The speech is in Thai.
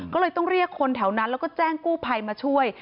ก็เลยต้องเรียกคนแถวนั้นแล้วก็แจ้งกู้ภัยมาช่วย